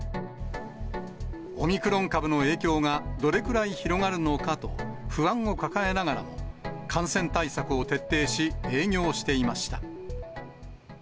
オミクロン株の影響がどれくらい広がるのかと、不安を抱えながらも感染対策を徹底し、営業していました。